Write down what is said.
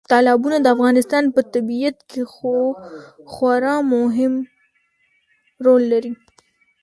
تالابونه د افغانستان په طبیعت کې خورا مهم رول لري.